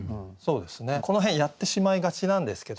この辺やってしまいがちなんですけどね。